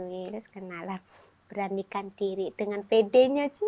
terus kenalan beranikan diri dengan pedenya aja